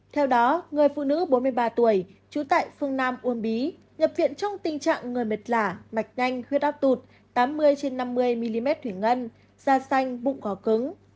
theo đó người phụ nữ bốn mươi ba tuổi trú tại phương nam uông bí nhập viện trong tình trạng người mệt lả mạch nhanh huyết áp tụt tám mươi trên năm mươi mm thủy ngân da xanh bụng cỏ cứng